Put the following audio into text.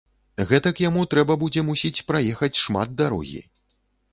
Гэтак яму трэба будзе, мусіць, праехаць шмат дарогі.